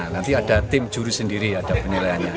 nanti ada tim juru sendiri ada penilaiannya